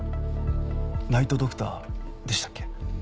ナイト・ドクターでしたっけ？